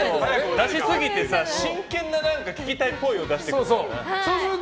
出しすぎて真剣な聞きたいっぽいを出してくると。